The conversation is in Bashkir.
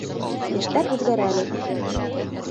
Йәштәр үҙгәрәлер.